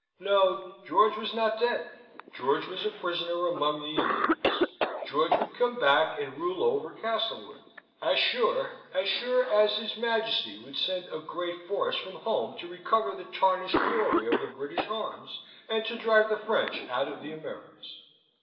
No, George was not dead; George was a prisoner among the Indians; George would come back and rule over Castlewood; as sure, as sure as his Majesty would send a great force from home to recover the tarnished glory of the British arms, and to drive the French out of the Americas.